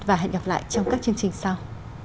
và hẹn gặp lại trong các chương trình sau